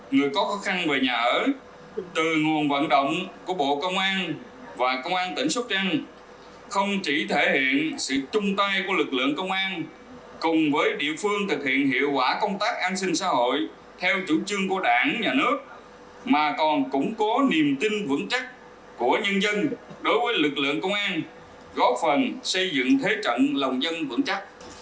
người có khó khăn về nhà ở từ nguồn vận động của bộ công an và công an tỉnh sóc trăng không chỉ thể hiện sự chung tay của lực lượng công an cùng với địa phương thực hiện hiệu quả công tác an sinh xã hội theo chủ trương của đảng nhà nước mà còn củng cố niềm tin vững chắc của nhân dân đối với lực lượng công an góp phần xây dựng thế trận lòng dân vững chắc